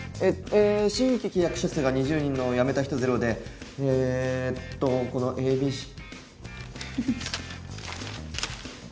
新規契約者数が２０人のやめた人ゼロでえっとこのＡＢＣＡＢＣ